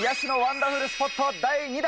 ダフルスポット第２弾。